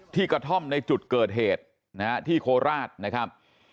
กระท่อมในจุดเกิดเหตุนะฮะที่โคราชนะครับ